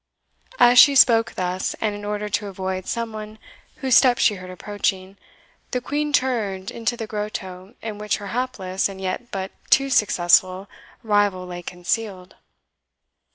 As she spoke thus, and in order to avoid some one whose step she heard approaching, the Queen turned into the grotto in which her hapless, and yet but too successful, rival lay concealed.